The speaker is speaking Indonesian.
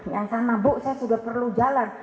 yang sama bu saya sudah perlu jalan